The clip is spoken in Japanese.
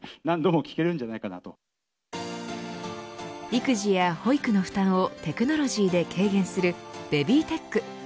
育児や保育の負担をテクノロジーで軽減するベビーテック。